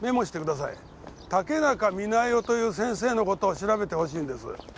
竹中美奈代という先生の事を調べてほしいんです。